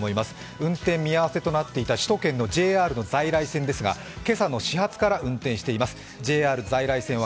運転見合わせとなっていた首都圏のＪＲ在来線ですが、今朝の始発から運転しています。